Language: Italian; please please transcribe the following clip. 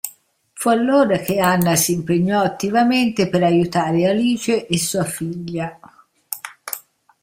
Fu allora che Anna si impegnò attivamente per aiutare Alice e sua figlia.